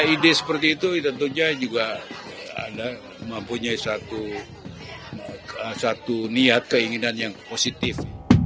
ide seperti itu tentunya juga anda mempunyai satu niat keinginan yang positif